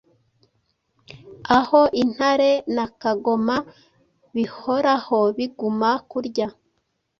aho intare na kagoma bihoraho biguma kurya?